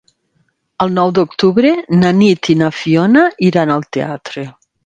El nou d'octubre na Nit i na Fiona iran al teatre.